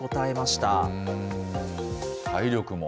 体力も。